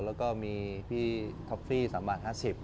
แล้วก็มีพี่ท็อปฟี่สำหรับ๕๐